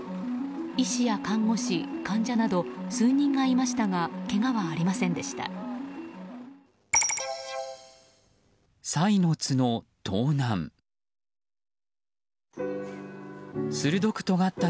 医師や看護師患者など数人がいましたがけがはありませんでした。